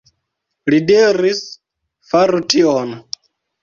Li diris, faru tion.